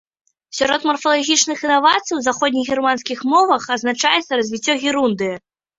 Сярод марфалагічных інавацый у заходнегерманскіх мовах адзначаецца развіццё герундыя.